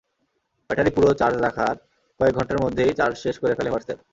Battery পুরো charge রাখার কয়েক ঘণ্টার মধ্যেই চার্জ শেষ করে ফেলে হোয়াটসঅ্যাপ।